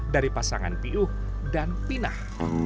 dari pasangan piuh dan pinah